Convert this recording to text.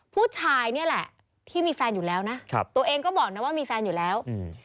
ผู้ชายนี่แหละที่มีแฟนอยู่แล้วนะครับตัวเองก็บอกนะว่ามีแฟนอยู่แล้วอืม